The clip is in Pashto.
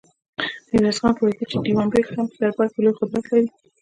ميرويس خان پوهېده چې دېوان بېګ هم په دربار کې لوی قدرت لري.